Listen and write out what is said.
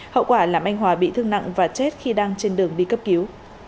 hậu quả làm anh hòa bị thương nặng và chết khi đang trên đường đi cấp cứu